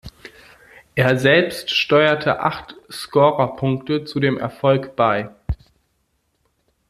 Er selbst steuerte acht Scorerpunkte zu dem Erfolg bei.